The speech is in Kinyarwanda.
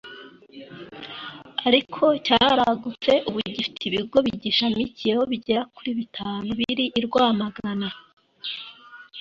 ariko cyaragutse ubu gifite ibigo bigishamikiyeho bigera kuri bitanu biri i Rwamagana